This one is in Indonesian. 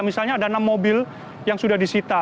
misalnya ada enam mobil yang sudah disita